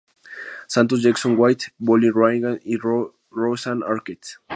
Santos, Jackson White, Molly Ringwald y Rosanna Arquette.